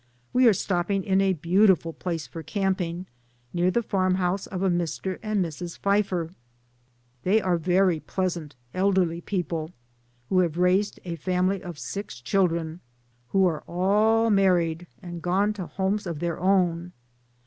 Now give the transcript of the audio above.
We are stopping in a beau tiful place for camping, near the farmhouse of a Mr. and Mrs. Fifer. They are very pleasant elderly people, who have raised a family of six children, who are all married, and gone to homes of their own.